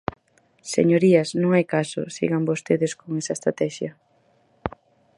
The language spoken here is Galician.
Señorías, non hai caso, sigan vostedes con esa estratexia.